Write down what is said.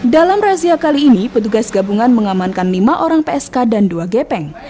dalam razia kali ini petugas gabungan mengamankan lima orang psk dan dua gepeng